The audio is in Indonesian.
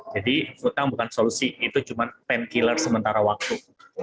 jadi utang bukan solusi itu cuma pen killer sementara waktu